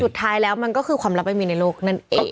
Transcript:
สุดท้ายแล้วมันก็คือความลับไม่มีในโลกนั่นเอง